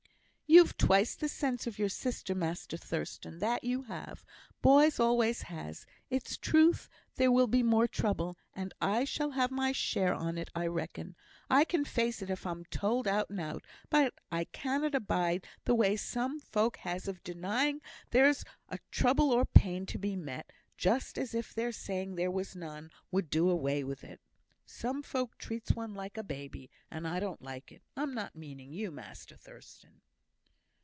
"You've twice the sense of your sister, Master Thurstan, that you have. Boys always has. It's truth there will be more trouble, and I shall have my share on't, I reckon. I can face it if I'm told out and out, but I cannot abide the way some folk has of denying there's trouble or pain to be met; just as if their saying there was none, would do away with it. Some folk treats one like a babby, and I don't like it. I'm not meaning you, Master Thurstan."